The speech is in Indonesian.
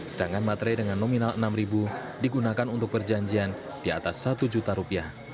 sedangkan materai dengan nominal rp enam digunakan untuk perjanjian di atas rp satu